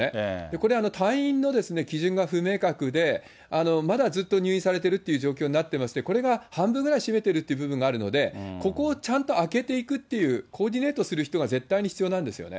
これ、退院の基準が不明確で、まだずっと入院されているという状況になってまして、これが半分ぐらい占めてるって部分があるので、ここをちゃんと空けていくっていう、コーディネートする人が絶対に必要なんですよね。